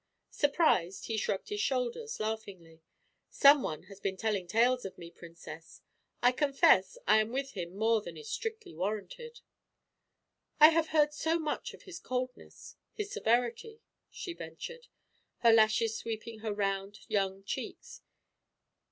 Surprised, he shrugged his shoulders laughingly. "Some one has been telling tales of me, Princess. I confess I am with him more than is strictly warranted." "I have heard so much of his coldness, his severity," she ventured, her lashes sweeping her round young cheeks.